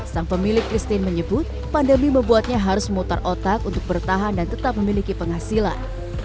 sang pemilik christine menyebut pandemi membuatnya harus memutar otak untuk bertahan dan tetap memiliki penghasilan